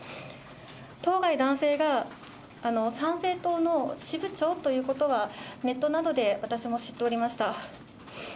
当該男性が参政党の支部長ということは、ネットなどで私も知っておりました。